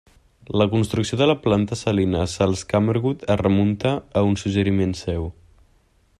La construcció de la planta salina a Salzkammergut es remunta a un suggeriment seu.